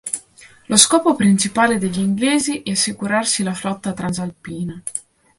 Lo scopo principale degli inglesi è assicurarsi la flotta transalpina.